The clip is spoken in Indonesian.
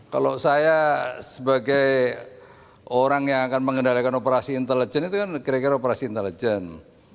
kalau saya sebagai orang yang akan mengendalikan operasi intelijen itu kan kira kira operasi intelijen